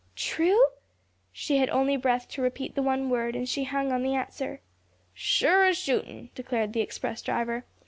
"True?" She had only breath to repeat the one word, and she hung on the answer. "Sure as shootin'," declared the express driver.